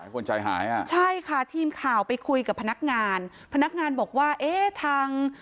คนใจหายอ่ะใช่ค่ะทีมข่าวไปคุยกับพนักงานพนักงานบอกว่าเอ๊ะทาง